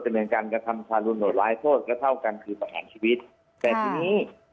เนินการกระทำทารุณโหดร้ายโทษก็เท่ากันคือประหารชีวิตแต่ทีนี้